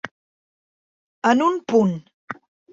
En un punt.